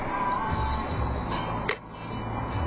กลับไปยังไม่รู้ว่าวิทยาลัย